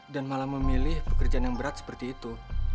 dan malah memilih pekerjaan yang berat seperti itu